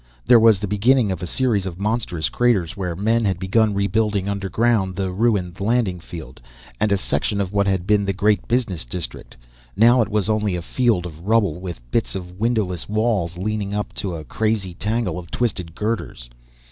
There was the beginning of a series of monstrous craters where men had begun rebuilding underground, the ruined landing field, and a section of what had been the great business district. Now it was only a field of rubble, with bits of windowless walls leading up to a crazy tangle of twisted girders.